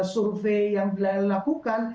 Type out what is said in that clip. survei yang dilakukan